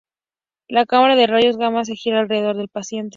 La cámara de rayos gamma se gira alrededor del paciente.